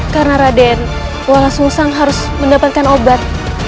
karena raden walau susah harus mendapatkan obat